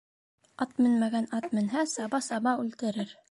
Ат менмәгән ат менһә, саба-саба үлтерер;